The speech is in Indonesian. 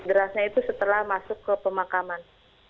derasnya itu setelah masuk ke pemakaman